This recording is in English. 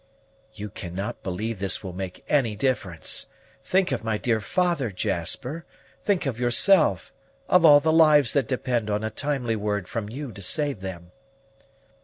"You cannot believe this will make any difference. Think of my dear father, Jasper! Think of yourself; of all the lives that depend on a timely word from you to save them."